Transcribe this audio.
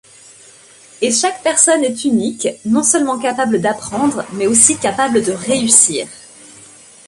Et chaque personne est unique, non seulement capable d'apprendre, mais aussi capable de réussir.